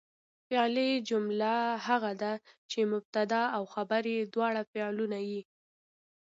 فعلي جمله هغه ده، چي مبتدا او خبر ئې دواړه فعلونه يي.